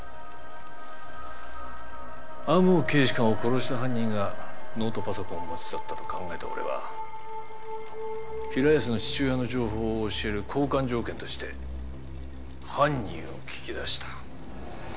天羽警視監を殺した犯人がノートパソコンを持ち去ったと考えた俺は平安の父親の情報を教える交換条件として犯人を聞き出した。